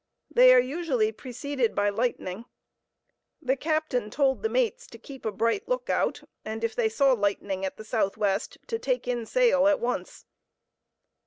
They are usually preceded by lightning. The captain told the mates to keep a bright lookout, and if they saw lightning at the southwest, to take in sail at once.